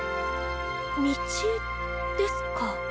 道ですか。